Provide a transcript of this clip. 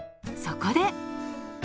そこで。